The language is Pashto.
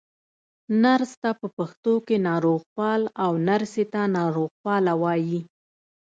نرس ته په پښتو کې ناروغپال، او نرسې ته ناروغپاله وايي.